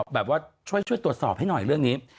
แบบว่าช่วยตรวจสอบให้หน่อยเรื่องนี้